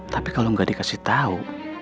tapi kalo gak dikasih tau